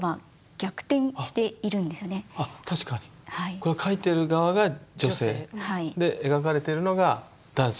これを描いてる側が女性で描かれてるのが男性。